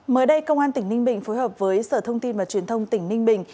mới đây công an tỉnh ninh bình phối hợp với sở thông tin và truyền thông tỉnh ninh bình